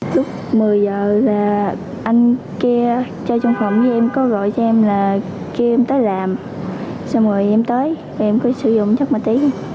lúc một mươi giờ là anh kia cho trung phẩm với em có gọi cho em là kêu em tới làm xong rồi em tới em cứ sử dụng chất ma túy